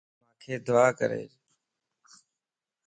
مانک دعا ڪريج